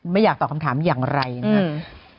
ไม่อยากตอบคำถามอย่างไรนะครับ